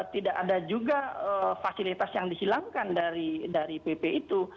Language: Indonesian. tidak ada juga fasilitas yang dihilangkan dari pp itu